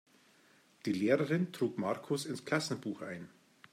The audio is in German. Die Lehrerin trug Markus ins Klassenbuch ein.